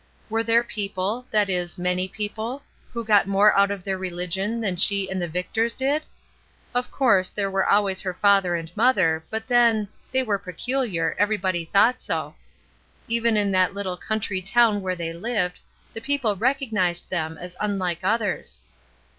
Were there people, that is, many people, who got more out of their reUgion than she and the Victors did? Of course there were always her father and mother, but then — they were peculiar, everybody thought so. Even in that little country town where they lived, the people recognized them as unlike others.